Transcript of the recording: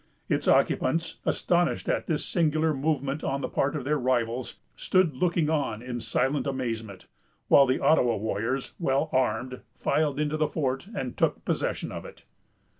Its occupants, astonished at this singular movement on the part of their rivals, stood looking on in silent amazement, while the Ottawa warriors, well armed, filed into the fort, and took possession of it.